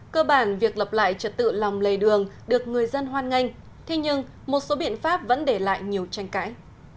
cơ bản việc lập lại trật tự lòng lề đường được người dân hoan nghênh thế nhưng một số biện pháp vẫn để lại nhiều tranh cãi